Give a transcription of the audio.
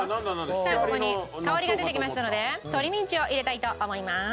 さあここに香りが出てきましたので鶏ミンチを入れたいと思います。